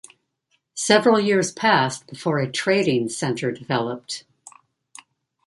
Several years passed before a trading center developed.